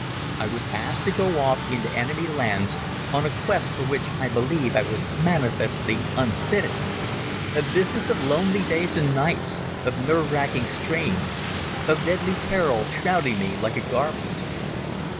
I was asked to go off into the enemy's lands on a quest for which I believed I was manifestly unfitted—a business of lonely days and nights, of nerve racking strain, of deadly peril shrouding me like a garment.